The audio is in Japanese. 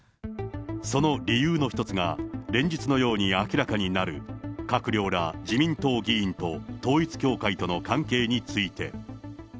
その理由の一つが、連日のように明らかになる閣僚ら、自民党議員と統一教会との関係について。